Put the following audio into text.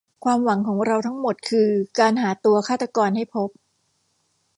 ความหวังของเราทั้งหมดคือการหาตัวฆาตรกรให้พบ